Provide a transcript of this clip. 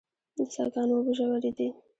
د څاه ګانو اوبه ژورې دي